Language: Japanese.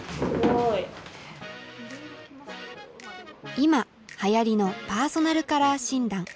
今はやりのパーソナルカラー診断。